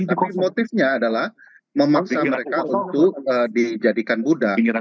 tapi motifnya adalah memaksa mereka untuk dijadikan buddha